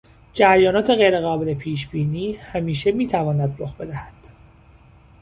جریانات غیرقابل پیشبینی همیشه میتواند رخ بدهد.